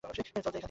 চল যাই এখান থেকে।